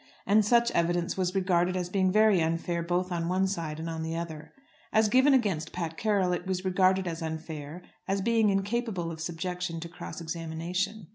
And such evidence was regarded as being very unfair both on one side and on the other. As given against Pat Carroll it was regarded as unfair, as being incapable of subjection to cross examination.